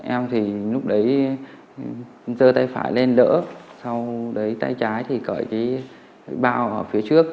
em thì lúc đấy dơ tay phải lên đỡ sau đấy tay trái thì cởi cái bao ở phía trước